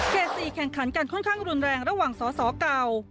๔แข่งขันกันค่อนข้างรุนแรงระหว่างสอสอเก่า